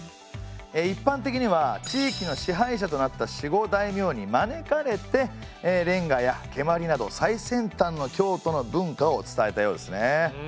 一般的には地域の支配者となった守護大名に招かれて連歌や蹴鞠など最先端の京都の文化を伝えたようですね。